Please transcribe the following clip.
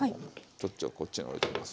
ちょっとこっちに置いときます。